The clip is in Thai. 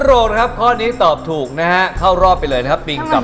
มาโรงนะครับข้อนี้ตอบถูกนะฮะเข้ารอบไปเลยนะฮะ